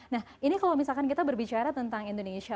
nah ini kalau misalkan kita berbicara tentang indonesia